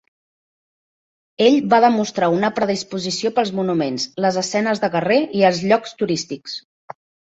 Ell va demostrar una predisposició pels monuments, les escenes de carrer i el llocs turístics.